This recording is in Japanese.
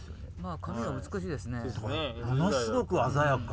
ものすごく鮮やか。